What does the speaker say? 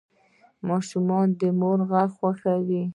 ماشومان د مور غږ خوښوي.